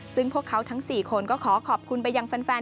ซึ่งพวกเขาทั้ง๔คนก็ขอขอบคุณไปยังแฟน